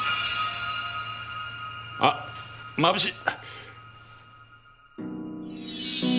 あっまぶしい！